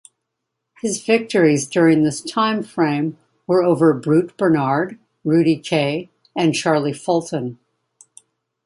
His victories during this timeframe were over Brute Bernard, Rudy Kay and Charlie Fulton.